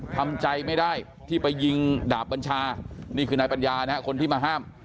ทำใจไม่ได้ที่ไปยิงดาบบัญชานี่คือนายปัญญานะฮะคนที่มาห้าม